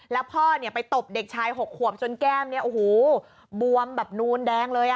แล้วพ่อไปตบเด็กชาย๖ขวบจนแก้มบวมแบบนูนแดงเลย